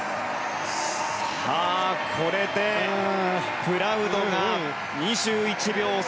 これでプラウドが２１秒３２。